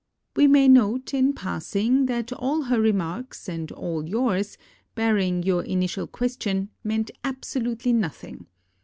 We may note, in passing, that all her remarks and all yours, barring your initial question, meant abso lutely nothing.